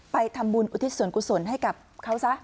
ไปทำบุญอุทิศส่วนกุศลให้กับเขาซะ